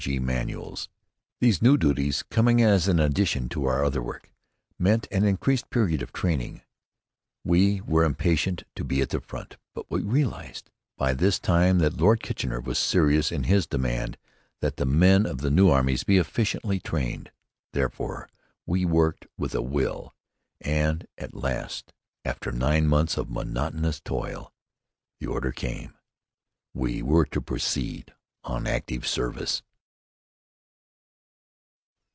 G. manuals. These new duties, coming as an addition to our other work, meant an increased period of training. We were impatient to be at the front, but we realized by this time that Lord Kitchener was serious in his demand that the men of the new armies be efficiently trained. Therefore we worked with a will, and at last, after nine months of monotonous toil, the order came. We were to proceed on active service.